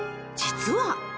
実は。